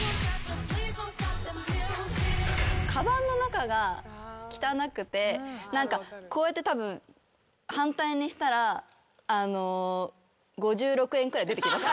かばんの中が汚くてこうやってたぶん反対にしたら５６円くらい出てきます。